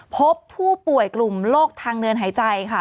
พบผู้ป่วยกลุ่มโรคทางเดินหายใจค่ะ